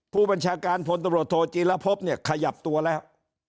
ผู้บัญชาการพตโธจีระพบเนี่ยขยับตัวแล้ว